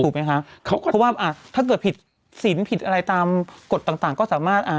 เพราะว่าอ่ะถ้าเกิดผิดศีลผิดอะไรตามกฏตล่างก็สามารถ